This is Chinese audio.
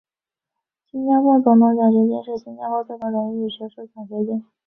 新加坡总统奖学金是新加坡最高荣誉的学术奖学金。